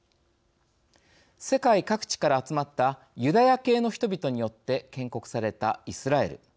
世界各地から集まったユダヤ系の人々によって建国されたイスラエル。